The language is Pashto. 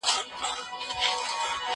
زه اوږده وخت د کتابتوننۍ سره مرسته کوم!